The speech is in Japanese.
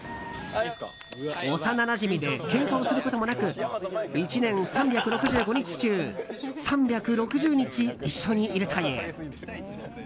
幼なじみでけんかをすることもなく１年３６５日中３６０日、一緒にいるという。